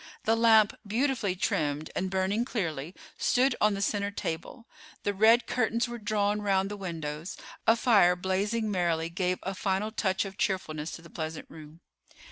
The lamp, beautifully trimmed and burning clearly, stood on the center table, the red curtains were drawn round the windows; a fire, blazing merrily, gave a final touch of cheerfulness to the pleasant room.